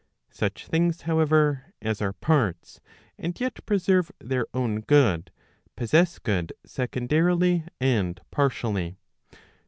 Such things however, as are parts, and yet preserve their own good, possess good secondarily and partially.